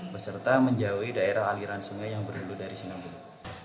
beserta menjauhi daerah aliran sungai yang berhulu dari sinabung